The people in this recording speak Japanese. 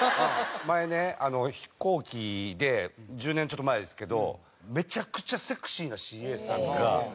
前ね飛行機で１０年ちょっと前ですけどめちゃくちゃセクシーなＣＡさんが。